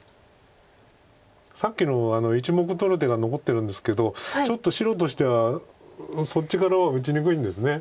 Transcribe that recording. さっきの１目取る手が残ってるんですけどちょっと白としてはそっちからは打ちにくいんです。